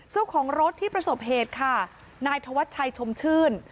เจ้าของรถที่ประสบเหตุค่ะนายธวัชชัยชมชื่น